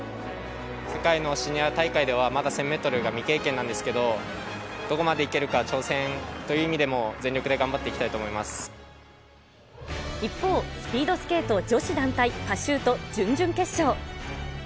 世界のシニア大会ではまだ１０００メートルが未経験なんですけど、どこまでいけるか挑戦という意味でも全力で頑張っていきたいと思一方、スピードスケート女子団体パシュート準々決勝。